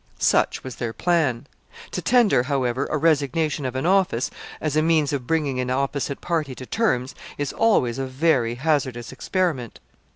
Such was their plan. To tender, however, a resignation of an office as a means of bringing an opposite party to terms, is always a very hazardous experiment.